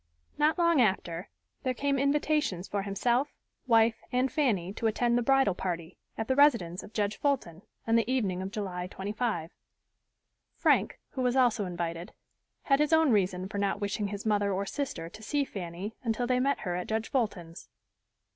Not long after there came invitations for himself, wife and Fanny to attend the bridal party, at the residence of Judge Fulton, on the evening of July 25. Frank, who was also invited, had his own reason for not wishing his mother or sister to see Fanny until they met her at Judge Fulton's.